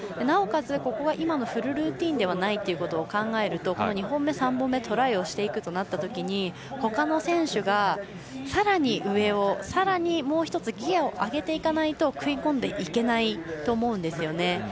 なおかつ、今のがフルルーティンではないと考えると２本目、３本目トライしていくとなったときほかの選手がさらに上をさらにもう１つギヤを上げていかないと食い込んでいけないと思うんですよね。